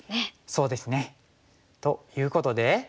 そうですね。ということで。